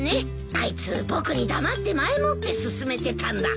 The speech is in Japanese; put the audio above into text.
あいつ僕に黙って前もって進めてたんだ。